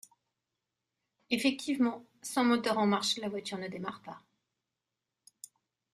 Effectivement, sans moteur en marche la voiture ne démarre pas.